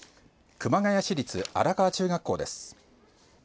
熊谷市立荒川中学校です。